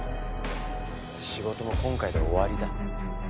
仕事も今回で終わりだ。